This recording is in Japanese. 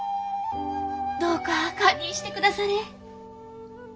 どうか堪忍してくだされ。